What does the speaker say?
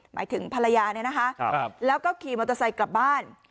หมายถึงภรรยาเนี่ยนะคะแล้วก็ขี่มอเตอร์ไซค์กลับบ้าน